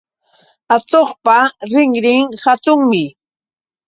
Atuqpa rinrin hatunmi